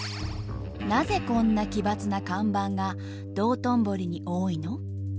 なぜこんな奇抜な看板が道頓堀に多いの？